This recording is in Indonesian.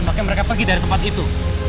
maka mereka pergi dari tempat itu